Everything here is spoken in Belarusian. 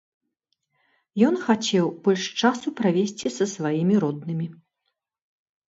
Ён хацеў больш часу правесці са сваімі роднымі.